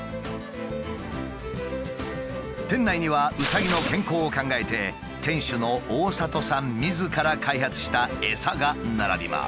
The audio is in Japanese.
店内にはうさぎの健康を考えて店主の大里さんみずから開発したエサが並びます。